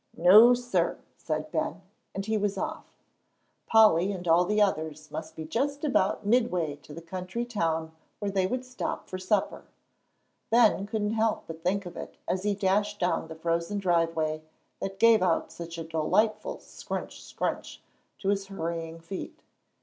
"No, sir," said Ben, and he was off. Polly and all the others must be just about midway to the country town where they were to stop for supper Ben couldn't help but think of it as he dashed down the frozen driveway that gave out such a delightful "scrunch, scrunch" to his hurrying feet.